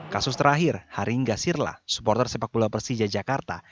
kasus terakhir haringga sirla supporter sepak bola persija jakarta